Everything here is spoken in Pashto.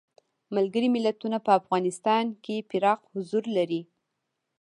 ملګري ملتونه په افغانستان کې پراخ حضور لري.